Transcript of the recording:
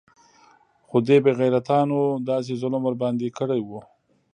خو دې بې غيرتانو داسې ظلم ورباندې كړى و.